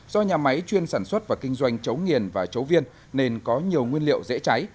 do nhà máy chuyên sản xuất và kinh doanh chấu nghiền và chấu viên nên có nhiều nguyên liệu dễ cháy